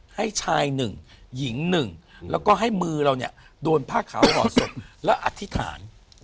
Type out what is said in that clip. ให้ชายหนึ่งหญิงหนึ่งแล้วก็ให้มือเราเนี่ยโดนผ้าขาวหล่อศพแล้วอธิษฐาน